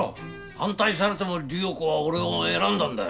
反対されても理代子は俺を選んだんだよ。